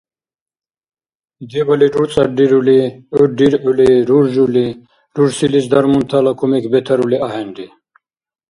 Дебали руцӀаррирули, гӀур риргӀули руржули, рурсилис дармунтала кумек бетарули ахӀенри.